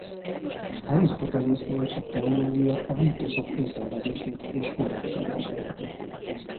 Arisztotelésznél a teológia a mítoszok értelmezését és korrekcióját jelenti.